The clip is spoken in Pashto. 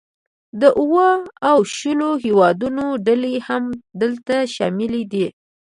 د اوو او شلو هیوادونو ډلې هم دلته شاملې دي